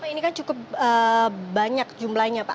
ini kan cukup banyak jumlahnya pak